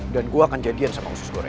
dan gue akan jadian sama usus goreng